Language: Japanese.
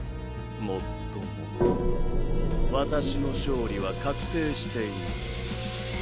もっとも私の勝利は確定しています。